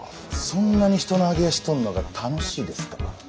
そんなに人の揚げ足取んのが楽しいですか？